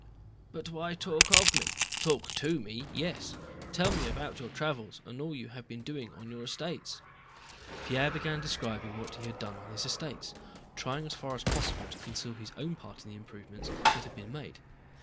"But why talk of me?... Talk to me, yes, tell me about your travels and all you have been doing on your estates." Pierre began describing what he had done on his estates, trying as far as possible to conceal his own part in the improvements that had been made.